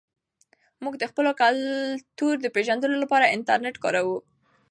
موږ د خپل کلتور د پېژندلو لپاره انټرنیټ کاروو.